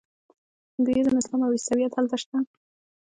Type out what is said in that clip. هندویزم اسلام او عیسویت هلته شته.